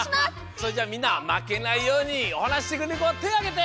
それじゃあみんなまけないようにおはなししてくれるこはてあげて！